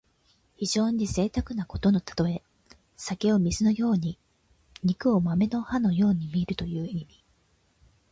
非常にぜいたくなことのたとえ。酒を水のように肉を豆の葉のようにみるという意味。